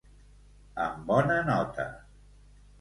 Amb bona nota.